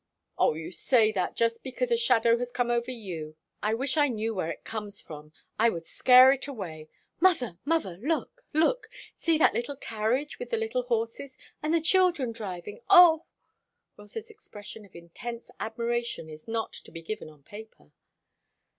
"O you say that just because a shadow has come over you. I wish I knew where it comes from; I would scare it away. Mother, mother, look, look! see that little carriage with the little horses, and the children driving! Oh !" Rotha's expression of intense admiration is not to be given on paper.